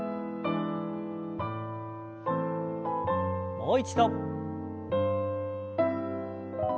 もう一度。